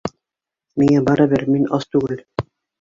Миңә барыбер, мин ас түгел